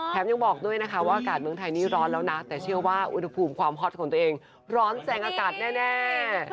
ยังบอกด้วยนะคะว่าอากาศเมืองไทยนี่ร้อนแล้วนะแต่เชื่อว่าอุณหภูมิความฮอตของตัวเองร้อนแสงอากาศแน่